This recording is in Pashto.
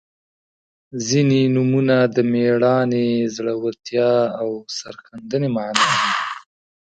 • ځینې نومونه د میړانې، زړورتیا او سرښندنې معنا لري.